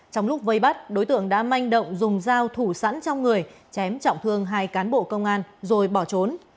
trong lúc vây bắt đối tượng đã manh động dùng dao thủ sẵn trong người chém trọng thương hai cán bộ công an rồi bỏ trốn